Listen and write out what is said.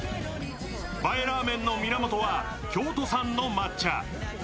映えラーメンの源は、京都産の抹茶